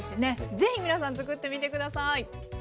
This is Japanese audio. ぜひ皆さん作ってみて下さい。